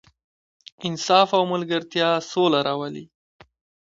انصاف او ملګرتیا سوله راولي.